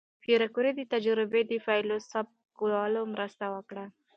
پېیر کوري د تجربې د پایلو ثبت کولو مرسته وکړه.